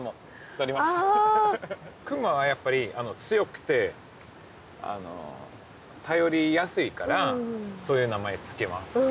熊はやっぱり強くて頼りやすいからそういう名前付けます。